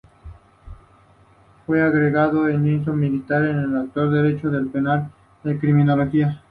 Fue egresado del Liceo Militar, doctor en Derecho Penal y Criminología.